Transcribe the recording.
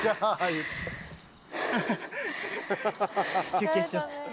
休憩しよう。